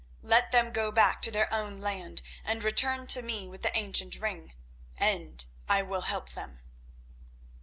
Let them go back to their own land and return to me with the ancient ring, and I will help them."